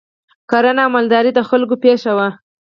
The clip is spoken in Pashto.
کرنه او مالداري د خلکو پیشه وه